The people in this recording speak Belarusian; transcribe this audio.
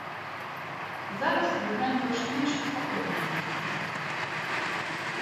Зараз мы граем больш-менш спакойную музыку.